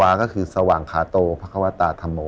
หัวใจสวางขาโตพระควาตาธรรโม